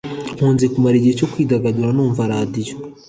nkunze kumara igihe cyo kwidagadura numva radio